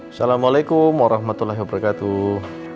assalamualaikum warahmatullahi wabarakatuh